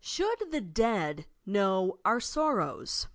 SHOULD THE "dEAD" KNOW OUR SORROWS?